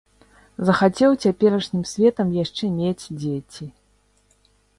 Захацеў цяперашнім светам яшчэ мець дзеці.